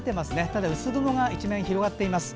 ただ薄曇が一面広がっています。